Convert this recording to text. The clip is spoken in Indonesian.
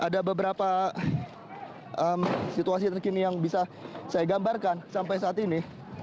ada beberapa situasi terkini yang bisa saya gambarkan sampai saat ini